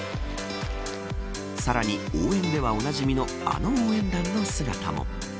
さらに応援では、おなじみのあの応援団の姿も。